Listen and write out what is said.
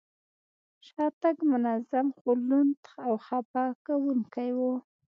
شاتګ منظم، خو لوند او خپه کوونکی و.